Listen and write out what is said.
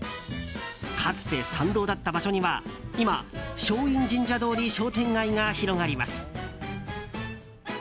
かつて参道だった場所には今松陰神社通り商店街が広がります。